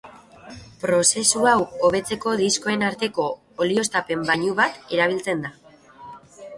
Prozesu hau hobetzeko diskoen arteko olioztapen-bainu bat erabiltzen da.